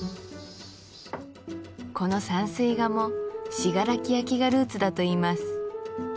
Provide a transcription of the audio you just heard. この山水画も信楽焼がルーツだといいます